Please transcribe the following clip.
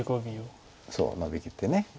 そうノビきって。